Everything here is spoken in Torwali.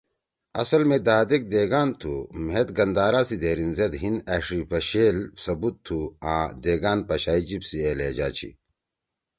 اصل می دادیک دیگان تُھو مھید گندھارا سی دھیریِن زید ہیِن أݜی پشیل ثبوت تُھو آں دیگان پشائی جیِب سی اے لہجہ چھی۔